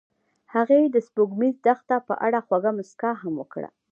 هغې د سپوږمیز دښته په اړه خوږه موسکا هم وکړه.